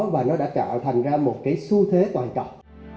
và nó đã trở thành ra một cái xu thế toàn cầu